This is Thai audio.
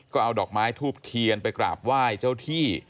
ก็เอาดอกไม้ทูบเทียนไปกราบไหว้เจ้าที่